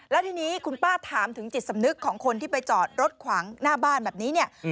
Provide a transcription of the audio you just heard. แล้วทีนี้คุณป้าถามถึงจิตสำนึกของคนที่ไปจอดรถขวางหน้าบ้านแบบนี้เนี่ย